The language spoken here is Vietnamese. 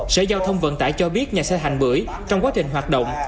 sở giao thông vận tải cho biết nhà xe thành bưởi trong quá trình hoạt động